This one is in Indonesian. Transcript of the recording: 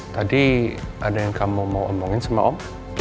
tadi ada yang kamu mau omongin sama om